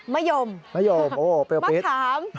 มะยมมะยมโอ้โฮเปรี้ยวมะขาม